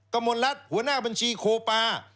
มลรัฐหัวหน้าบัญชีโคปา